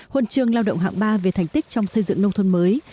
huân chương lao động hạng ba về thành tích trong xây dựng nông thôn mới